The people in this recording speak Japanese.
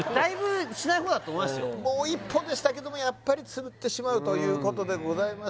もう一歩でしたけどもやっぱりつぶってしまうということでございました